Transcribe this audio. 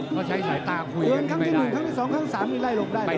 ก็ใช้สายตาคุยกันนี่ไม่ได้